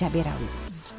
dan cabai rawit